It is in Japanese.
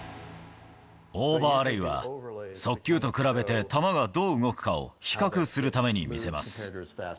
オーバーレイは、速球と比べて球がどう動くかを比較するために見せます。